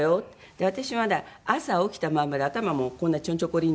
で私まだ朝起きたまんまで頭もこんなちょんちょこりんに結ってて。